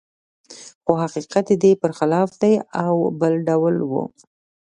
خو حقیقت د دې پرخلاف دی او بل ډول و